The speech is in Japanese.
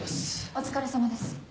お疲れさまです。